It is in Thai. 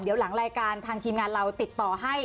เดี๋ยวหลังรายการทางทีมงานเราติดต่อให้